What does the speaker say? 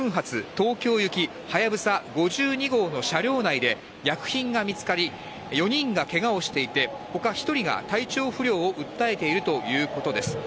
東京行きはやぶさ５２号の車両内で薬品が見つかり、４人がけがをしていて、ほか１人が体調不良を訴えているということです。